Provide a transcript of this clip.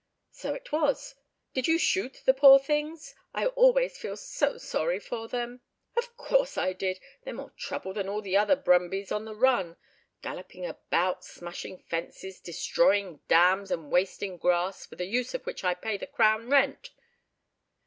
"So it was. Did you shoot the poor things? I always feel so sorry for them." "Of course I did; they're more trouble than all the other 'brumbies' on the run, galloping about, smashing fences, destroying dams, and wasting grass, for the use of which I pay the Crown rent."